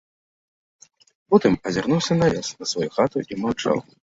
Потым азірнуўся на лес, на сваю хату і маўчаў.